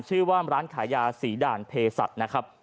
ชื่อว่าร้านขายยาศรีด่านเพศัตริย์นะครับ